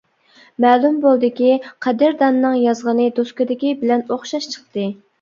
مەلۇم بولدىكى قەدىرداننىڭ يازغىنى دوسكىدىكى بىلەن ئوخشاش چىقتى.